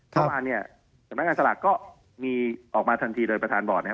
เมื่อวานเนี่ยสำนักงานสลากก็มีออกมาทันทีโดยประธานบอร์ดนะครับ